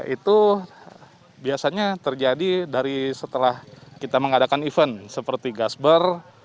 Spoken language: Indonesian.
itu biasanya terjadi dari setelah kita mengadakan event seperti gasber